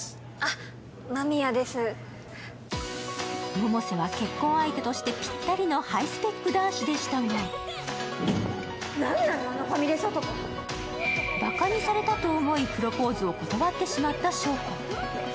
百瀬は結婚相手としてぴったりなハイスペックな男子でしたが、バカにされたと思い、プロポーズを断ってしまった祥子。